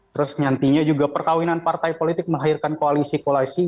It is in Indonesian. terus nyantinya juga perkawinan partai politik melahirkan koalisi koalisi